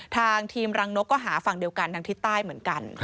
ทางทีมรังนกก็หาฝั่งเดียวกันทางทิศใต้เหมือนกัน